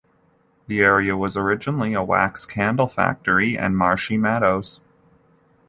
The area was originally a wax candle factory and marshy meadows.